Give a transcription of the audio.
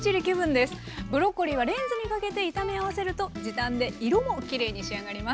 ブロッコリーはレンジにかけて炒め合わせると時短で色もきれいに仕上がります。